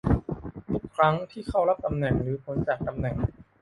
ทุกครั้งที่เข้ารับตำแหน่งหรือพ้นจากตำแหน่ง